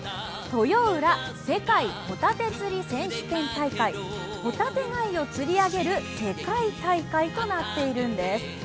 世界ホタテ釣り選手権大会ホタテ貝を釣り上げる世界大会となっているんです。